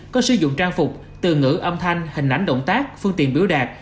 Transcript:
có sử dụng trang phục từ ngữ âm thanh hình ảnh động tác phương tiện biểu đạt